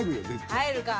入るか。